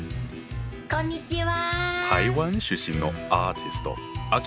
こんにちは。